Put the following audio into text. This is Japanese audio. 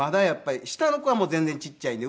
下の子は全然ちっちゃいんで。